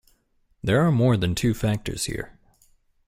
There are more than two factors here.